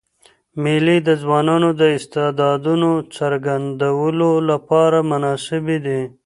مېلې د ځوانانو د استعدادونو څرګندولو له پاره مناسبي دي.